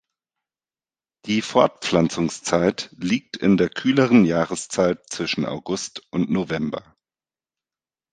Die Fortpflanzungszeit liegt in der kühleren Jahreszeit zwischen August und November.